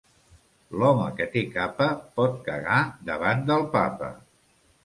L'home que té capa pot cagar davant del Papa.